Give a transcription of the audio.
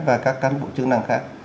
và các cán bộ chức năng khác